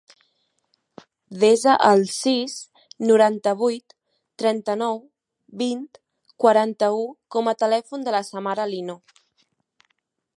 Desa el sis, noranta-vuit, trenta-nou, vint, quaranta-u com a telèfon de la Samara Lino.